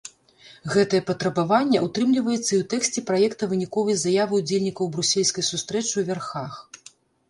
Гэтае патрабаванне ўтрымліваецца і ў тэксце праекта выніковай заявы ўдзельнікаў брусельскай сустрэчы ў вярхах.